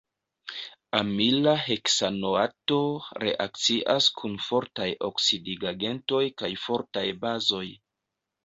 Amila heksanoato reakcias kun fortaj oksidigagentoj kaj fortaj bazoj.